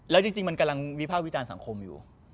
แล้วจริงมันกำลังวิภาควิจารณ์สังคมอยู่